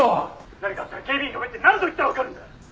「何かあったら警備員呼べって何度言ったらわかるんだ！」